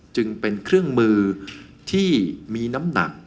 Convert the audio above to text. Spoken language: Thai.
จึงเป็นเครื่องมือที่มีน้ำหนัก